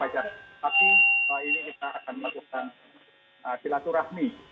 tapi ini kita akan melakukan silaturahmi